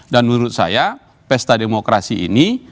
dan menurut saya pesta demokrasi ini